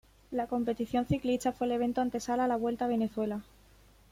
La competición ciclista fue el evento antesala a la Vuelta a Venezuela.